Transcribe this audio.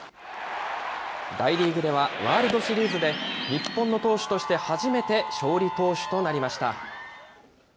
大リーグではワールドシリーズで、日本の投手として初めて勝利投手となりました。